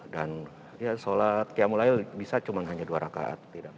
dan ya sholat qiyamulayl bisa hanya dua rakaat